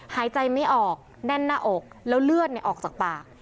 หายใจไม่ออกแน่นหน้าอกแล้วเลือดออกจากปาก